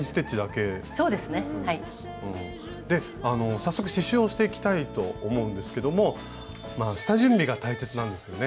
早速刺しゅうをしていきたいと思うんですけども下準備が大切なんですよね。